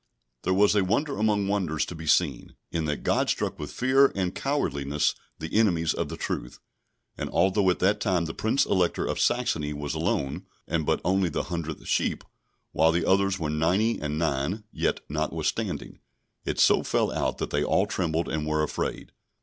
There was a wonder among wonders to be seen, in that God struck with fear and cowardliness the enemies of the truth. And although at that time the Prince Elector of Saxony was alone, and but only the hundredth sheep, while the others were ninety and nine, yet, notwithstanding, it so fell out that they all trembled and were afraid.